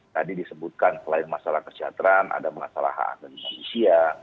tadi disebutkan selain masalah kesejahteraan ada masalah agama indonesia